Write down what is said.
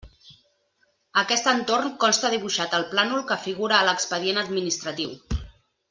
Aquest entorn consta dibuixat al plànol que figura a l'expedient administratiu.